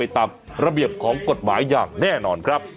ตามระเบียบของกฎหมายอย่างแน่นอนครับ